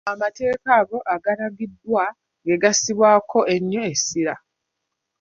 Amateeka ago agalagiddwa ge gassibwako ennyo essira.